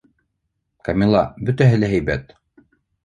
Камила, бөтәһе лә һәйбәт.